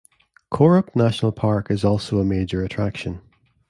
Korup National Park is also a major attraction.